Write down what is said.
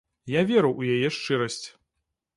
Я веру ў яе шчырасць.